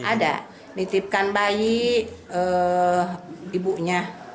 ada nitipkan bayi ibunya